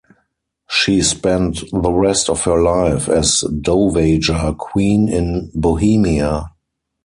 She spent the rest of her life as Dowager Queen in Bohemia.